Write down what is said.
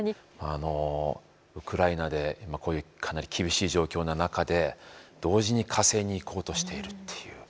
あのウクライナで今こういうかなり厳しい状況の中で同時に火星に行こうとしているっていう。